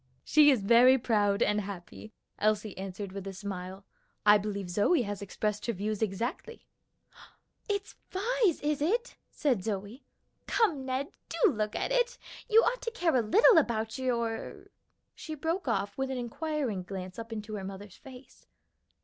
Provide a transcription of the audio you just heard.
"She is very proud and happy," Elsie answered with a smile. "I believe Zoe has expressed her views exactly." "It's Vi's, is it?" said Zoe. "Come, Ned, do look at it. You ought to care a little about your " She broke off with an inquiring glance up into her mother's face.